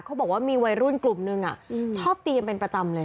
เขาบอกว่ามีวัยรุ่นกลุ่มนึงชอบตีกันเป็นประจำเลย